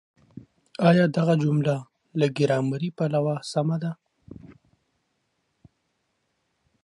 آيا دغه جمله له ګرامري پلوه سمه ده؟